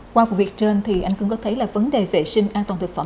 qua cuộc việc trên anh cương có thấy vấn đề vệ sinh an toàn thực phẩm